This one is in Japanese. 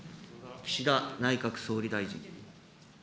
岸田内閣総理大臣。